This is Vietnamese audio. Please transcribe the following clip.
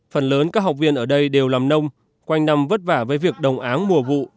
phần lớn các học viên ở đây đều làm nông quanh năm vất vả với việc đồng áng mùa vụ